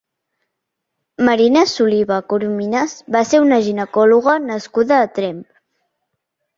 Marina Soliva Corominas va ser una ginecóloga nascuda a Tremp.